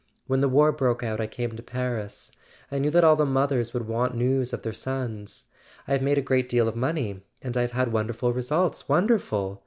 When the war broke out I came to Paris; I knew that all the mothers would want news of their sons. I have made a great deal of money; and I have had wonderful results—wonderful!